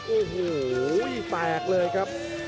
โอ้โหแตกเลยครับ